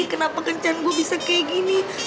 kenapa kencan gue bisa kayak gini